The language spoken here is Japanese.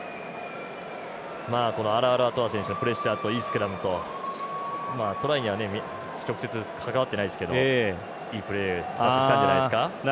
アラアラトア選手のプレッシャーといいスクラムとトライには直接関わってないですけどいいプレー２つしたんじゃないですか。